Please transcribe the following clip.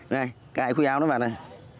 các ai khui áo nó vào đây